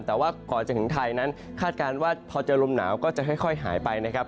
แต่ว่าก่อนจะถึงไทยนั้นคาดการณ์ว่าพอเจอลมหนาวก็จะค่อยหายไปนะครับ